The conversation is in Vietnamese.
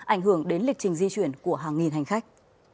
ảnh hưởng đến lịch trình di chuyển của hàng nghìn hành khách